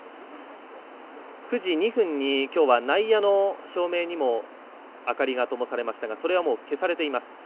９時２分にきょうは内野の照明にも明かりがともされましたがそれはもう消されています。